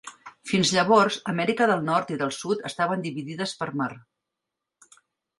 Fins llavors, Amèrica del Nord i del Sud estaven dividides per mar.